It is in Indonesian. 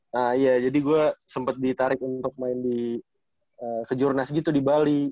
nah iya jadi gue sempat ditarik untuk main di kejurnas gitu di bali